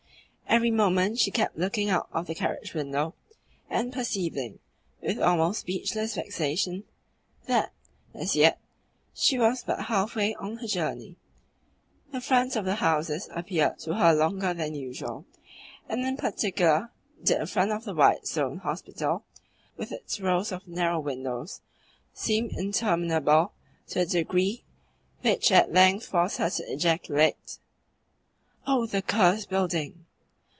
Every moment she kept looking out of the carriage window, and perceiving, with almost speechless vexation, that, as yet, she was but half way on her journey. The fronts of the houses appeared to her longer than usual, and in particular did the front of the white stone hospital, with its rows of narrow windows, seem interminable to a degree which at length forced her to ejaculate: "Oh, the cursed building!